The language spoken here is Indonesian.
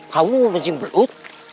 kamu mau mancing belut